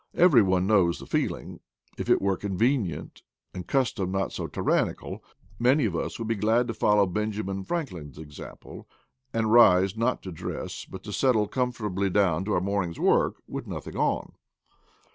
Every one knows the feeling. If it were convenient, and custom not so tyrannical, many of us would be glad to follow Benjamin Frank lin's example, and rise not to dress, but to settle comfortably down to our morning's work, with nothing on.